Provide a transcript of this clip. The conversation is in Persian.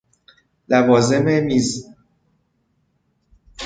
لوازم میز